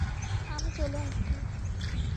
আমি চলে আসবো।